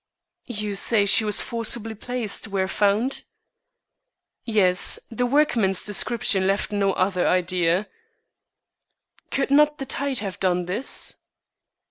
"You say she was forcibly placed where found?" "Yes; the workmen's description left no other idea." "Could not the tide have done this?"